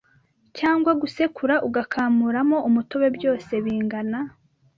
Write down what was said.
cyangwa gusekura ugakamuramo umutobe byose bingana